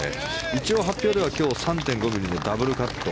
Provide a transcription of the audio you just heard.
一応、発表では今日３．５ｍｍのダブルカット。